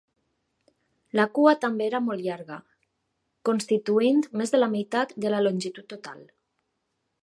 La cua també era molt llarga, constituint més de la meitat de la longitud total.